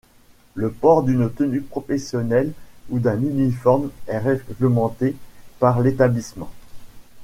Le port d'une tenue professionnelle ou d'un uniforme est réglementé par l'établissement.